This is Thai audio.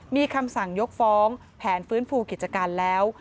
มีคำสั่งยกฟ้องแผนฟื้นฟูกิจการแล้ว